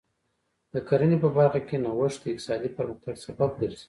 د کرنې په برخه کې نوښت د اقتصادي پرمختګ سبب ګرځي.